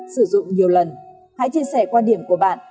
sử dụng nhiều lần hãy chia sẻ quan điểm của bạn